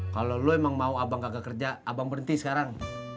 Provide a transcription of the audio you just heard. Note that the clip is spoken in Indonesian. kalau lo emang mau abang gagal kerja abang berhenti sekarang